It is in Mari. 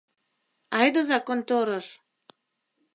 Айдыза конторыш!